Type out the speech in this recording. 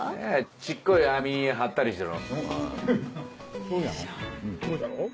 小っこい網張ったりしての。